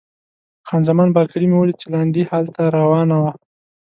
خان زمان بارکلي مې ولیده چې لاندې هال ته را روانه وه.